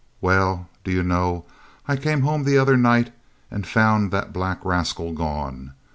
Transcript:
Well, do you know, I came home the other night and found that black rascal gone?